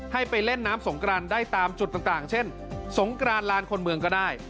ให้ไปเล่นน้ำสงกรานได้ตามจุดต่างเช่นสงกรานลานคนเมืองก็ได้